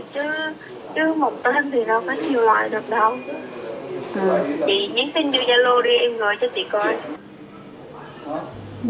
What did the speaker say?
chị nhớ xin dư giá lô đi em gửi cho chị coi